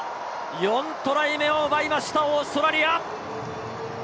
４トライ目を奪いました、オーストラリア。